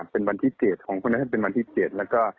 เป็นวันที่๗ของคนเนื่องจากโรงพยาบาล